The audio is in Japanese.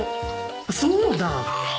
そうだ！